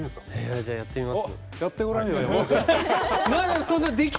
じゃあやってみます。